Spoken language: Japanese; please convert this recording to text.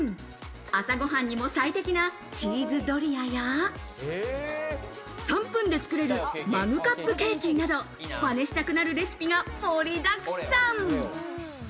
朝ご飯にも最適なチーズドリアや、３分で作れるマグカップケーキなど真似したくなるレシピが盛りだくさん。